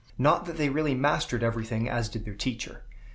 Not that they really mastered everything as did their teacher.